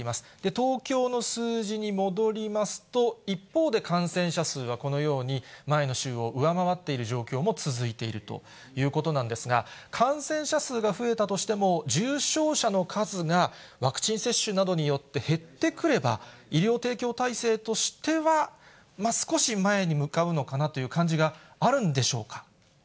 東京の数字に戻りますと、一方で感染者数は、このように、前の週を上回っている状況も続いているということなんですが、感染者数が増えたとしても、重症者の数がワクチン接種などによって減ってくれば、医療提供体制としては、少し前に向かうのかなという感じがあるんでしょうか？